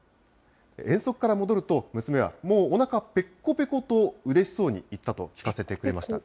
遠足から戻ると、娘はもうおなかぺっこぺことうれしそうに言ったと聞かせてくれました。